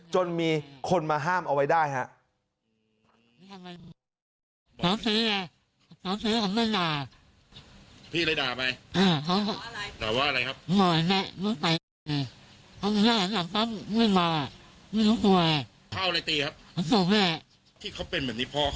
จนมีคนมาห้ามเอาไว้ได้ครับ